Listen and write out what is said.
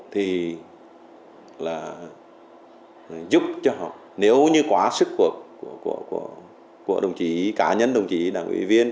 thì giúp cho họ nếu như quá sức của đồng chí cá nhân đồng chí đảng ủy viên